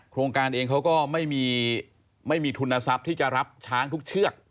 โครงการเองเขาก็ไม่มีทุนทรัพย์ที่จะรับช้างทุกเชือก